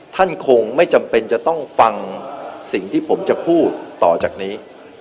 ท่านคงไม่จำเป็นจะต้องฟังสิ่งที่ผมจะพูดต่อจากนี้